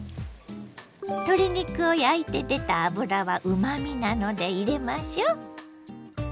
鶏肉を焼いて出た脂はうまみなので入れましょ。